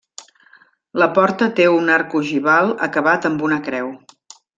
La porta té un arc ogival acabat amb una creu.